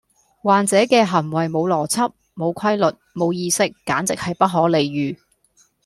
患者嘅行為無邏輯、無規律、無意識，簡直係不可理喻